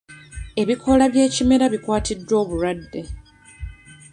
Ebikoola by'ekimera bikwatiddwa obulwadde.